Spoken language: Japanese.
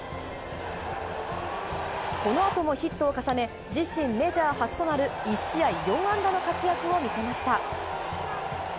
このあともヒットを重ね、自身メジャー初となる、１試合４安打の活躍を見せました。